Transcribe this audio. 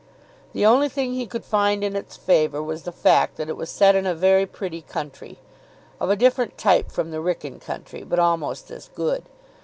The only thing he could find in its favour was the fact that it was set in a very pretty country. Of a different type from the Wrykyn country, but almost as good.